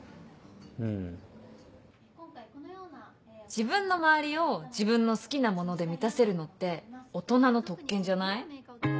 自分の周りを自分の好きなもので満たせるのって大人の特権じゃない？